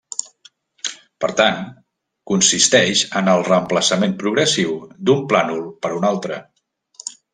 Per tant, consisteix en el reemplaçament progressiu d'un plànol per un altre.